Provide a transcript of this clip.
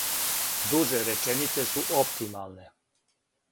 Дуже реченице су оптималне.